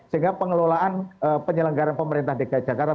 sehingga pengelolaan penyelenggaran pemerintah dki jakarta